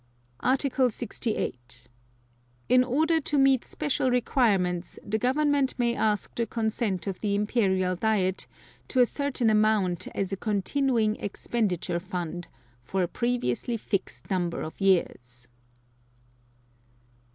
Article 68. In order to meet special requirements, the Government may ask the consent of the Imperial Diet to a certain amount as a Continuing Expenditure Fund, for a previously fixed number of years.